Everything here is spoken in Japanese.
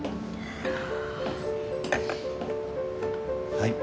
はい。